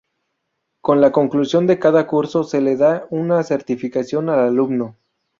Con la conclusión de cada curso se le da una certificación al alumno.